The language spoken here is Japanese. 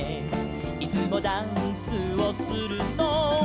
「いつもダンスをするのは」